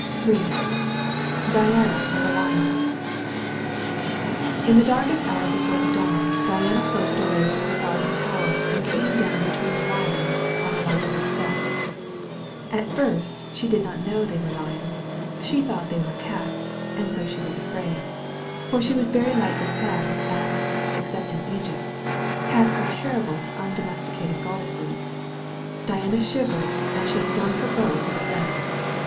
S21 DIANA AND THE LIONS In the darkest hour before the dawn, Diana floated away from her Garden Tower and came down be tween the Lions on the Library Steps. At first, she did not know th^ were Lions. She thought they were Cats, and so she was afraid. For she was very lightly dad; and (except in Egypt) Cats are terrible to undomesticated goddesses. Diana shivered as she strung her bow for defense.